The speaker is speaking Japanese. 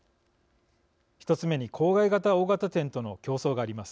１つ目に郊外型大型店との競争があります。